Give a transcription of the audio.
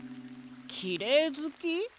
きれいずき？